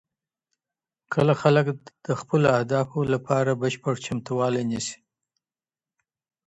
کله خلګ د خپلو اهدافو لپاره بشپړ چمتووالی نیسي؟